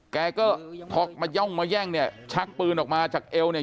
แกก็พอมาย่องมาแย่งเนี่ยชักปืนออกมาจากเอวเนี่ย